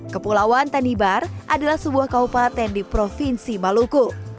kepulauan tanibar adalah sebuah kaupaten di provinsi maluku